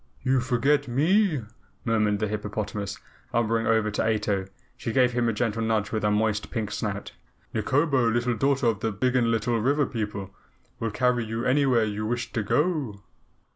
"You forget me," murmured the hippopotamus. Lumbering over to Ato, she gave him a gentle nudge with her moist pink snout. "Nikobo, Little Daughter of the Biggenlittle River People, will carry you anywhere you wish to go."